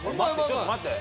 ちょっと待って。